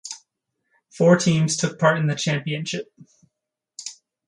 Four teams took part in the championship.